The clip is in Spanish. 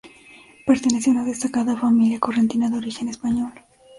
Pertenecía a una destacada familia correntina de origen español.